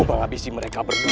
menghabisi mereka berdua